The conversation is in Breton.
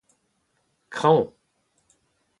kraoñ